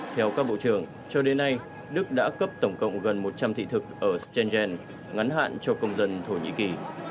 theo các bộ trưởng cho đến nay đức đã cấp tổng cộng gần một trăm linh thị thực ở schengen ngắn hạn cho công dân thổ nhĩ kỳ